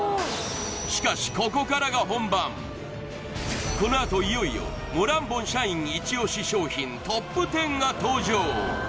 しかしここからが本番このあといよいよモランボン社員イチ押し商品ＴＯＰ１０が登場